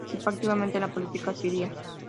Participó activamente en la política siria.